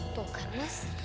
tuh kan mas